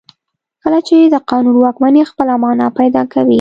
کله چې د قانون واکمني خپله معنا پیدا کوي.